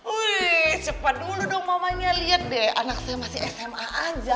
wih cepat dulu dong mamanya lihat deh anak saya masih sma aja